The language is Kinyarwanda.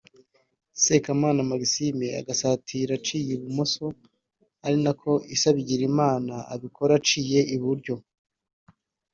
Sekamana Maxime agasatira aciye ibumoso ari nako Issa Bigirimana abikora aciye iburyo